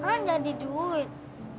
kan jadi duit